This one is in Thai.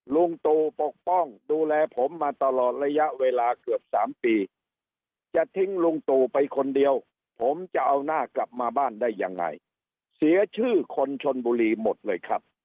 ลุงตู่ปกป้องดูแลผมมาตลอดระยะเวลาเกือบ๓ปีจะทิ้งลุงตู่ไปคนเดียวผมจะเอาหน้ากลับมาบ้านได้ยังไงเสียชื่อคนชนบุรีหมดเลยครับ